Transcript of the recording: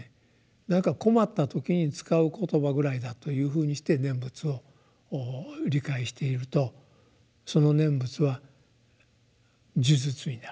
「何か困った時に使う言葉ぐらいだ」というふうにして「念仏」を理解しているとその「念仏」は「呪術」になると。